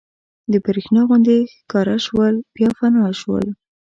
د برېښنا غوندې ښکاره شول بیا فنا شول.